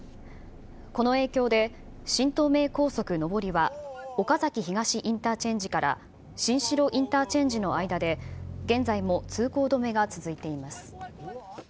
この影響で、新東名高速上りは、岡崎東インターチェンジから新城インターチェンジの間で現在も通行止めが続いています。